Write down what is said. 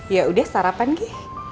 ya udah sarapan gi